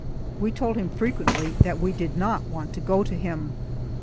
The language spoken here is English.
We told him frequently that we did not want to go to him.